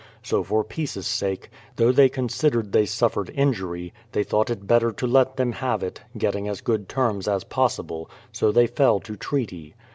So for peace' sake, though they considered they sufifered injury, they thought it better to let them have it, getting as good terms as possible ; so they fell to treaty.